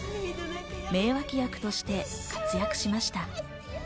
名脇役として活躍しました。